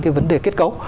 cái vấn đề kết cấu